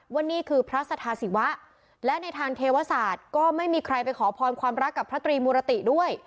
ว่านี่คือพระสถาศิวะและในทางเทวศาสตร์ก็ไม่มีใครไปขอพรความรักกับพระตรีมุรติด้วย